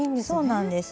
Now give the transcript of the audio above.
そうなんです。